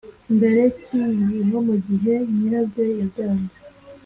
mbere cy iyi ngingo mu gihe nyirabyo yabyanze